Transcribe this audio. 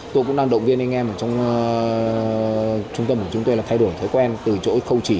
tôi cũng đang động viên anh em ở trong trung tâm của chúng tôi là thay đổi thói quen từ chỗ không chỉ